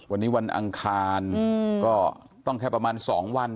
วันนี้วันอังคารก็ต้องแค่ประมาณ๒วัน